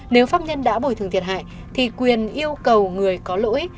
nếu pháp nhân đã bồi thường thiệt hại thì quyền yêu cầu người có lỗi